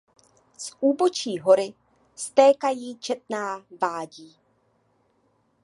Z úbočí hory stékají četná vádí.